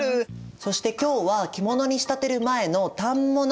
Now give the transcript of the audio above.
そして今日は着物に仕立てる前の反物も用意しました。